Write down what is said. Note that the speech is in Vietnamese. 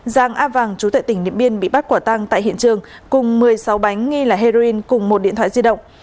giang á vàng chú tệ tỉnh niệm biên bị bắt quả tăng tại hiện trường cùng một mươi sáu bánh nghi là heroin cùng một điện thoại di động